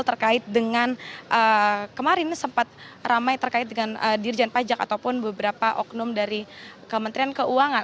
terkait dengan kemarin sempat ramai terkait dengan dirjen pajak ataupun beberapa oknum dari kementerian keuangan